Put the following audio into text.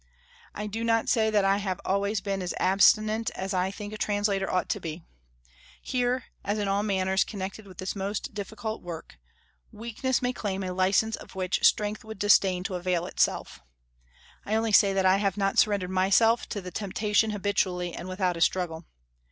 I do not say that I have always been as abstinent as I think a translator ought to be; here, as in all matters connected with this most difficult work, weakness may claim a licence of which strength would disdain to avail itself; I only say that I have not surrendered myself to the temptation habitually and without a struggle.